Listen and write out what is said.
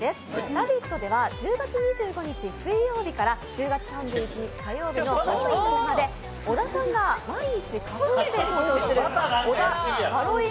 「ラヴィット！」では１０月２５日水曜日から、１０月３１日のハロウィーンの日まで小田さんが毎日仮装して登場する、小田ハロウィン